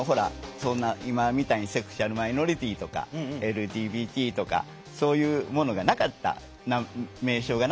今みたいにセクシュアルマイノリティーとかＬＧＢＴとかそういうものがなかった名称がなかったじゃないですか。